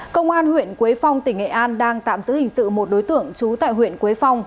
công an huyện quế phong tỉnh nghệ an đang tạm giữ hình sự một đối tượng trú tại huyện quế phong